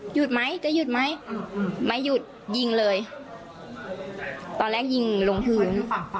หยุดไหมจะหยุดไหมไม่หยุดยิงเลยตอนแรกยิงลงพื้น